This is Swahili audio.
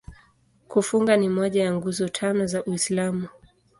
Kufunga ni moja ya Nguzo Tano za Uislamu.